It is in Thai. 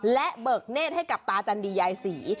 และเบิกเนธให้กับตาจันดียายศรี